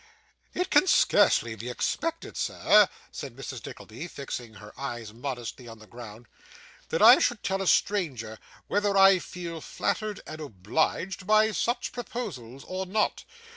'It can scarcely be expected, sir,' said Mrs. Nickleby, fixing her eyes modestly on the ground, 'that I should tell a stranger whether I feel flattered and obliged by such proposals, or not.